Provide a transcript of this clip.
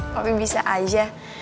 papi bisa aja